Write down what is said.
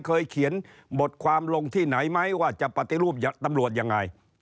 เคยเขียนบทความลงที่ไหนไหมว่าจะปฏิรูปตำรวจยังไง